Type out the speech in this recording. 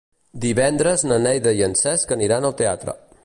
Divendres na Neida i en Cesc aniran al teatre.